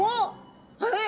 あれ？